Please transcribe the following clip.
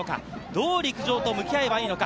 どう陸上と向き合えばいいのか？